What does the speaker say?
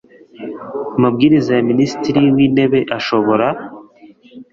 Amabwiriza ya Minisitiri w Intebe ashobora